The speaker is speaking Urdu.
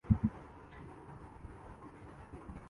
ونڈو فون میں کافی عرصے سے مختلف ملکوں کی قومی زبان آپشن ہے